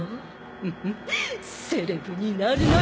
フフッセレブになるのよ！